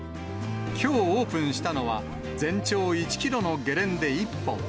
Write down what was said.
きょうオープンしたのは、全長１キロのゲレンデ１本。